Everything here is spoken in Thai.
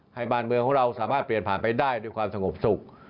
บ้านเมืองของเราสามารถเปลี่ยนผ่านไปได้ด้วยความสงบสุข